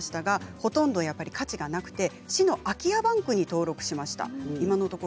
ほとんど価値がなくて市の空き家バンクに登録しました。